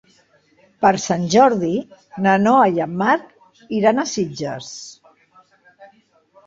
Per Sant Jordi na Noa i en Marc iran a Sitges.